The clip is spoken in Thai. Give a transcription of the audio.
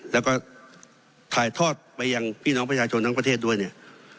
แล้วก็ถ่ายทอดไปยังพี่น้องประชาชนทั้งประเทศด้วยเนี่ย